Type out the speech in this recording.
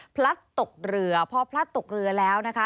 พลัดตกเรือพอพลัดตกเรือแล้วนะคะ